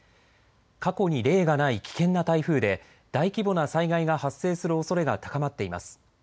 過去に例がない危険な台風で、大規模な災害が発生するおそれが高まっています。